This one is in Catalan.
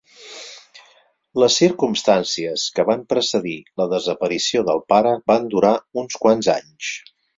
Les circumstàncies que van precedir la desaparició del pare van durar uns quants anys.